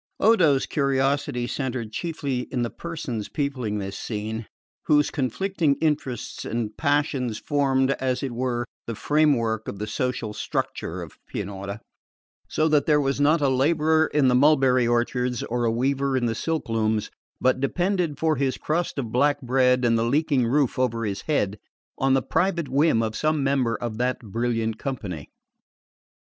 Odo's curiosity centred chiefly in the persons peopling this scene, whose conflicting interests and passions formed, as it were, the framework of the social structure of Pianura, so that there was not a labourer in the mulberry orchards or a weaver in the silk looms but depended for his crust of black bread and the leaking roof over his head on the private whim of some member of that brilliant company.